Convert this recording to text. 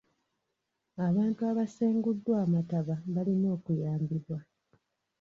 Abantu abasenguddwa amataba balina okuyambibwa